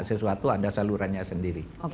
sesuatu ada salurannya sendiri